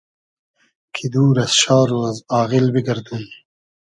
کی دور از شار و از آغیل بیگئردوم